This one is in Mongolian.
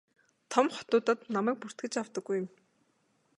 Том хотуудад намайг бүртгэж авдаггүй юм.